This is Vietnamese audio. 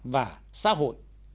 và xã hội